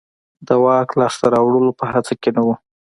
د واک لاسته راوړلو په هڅه کې نه و.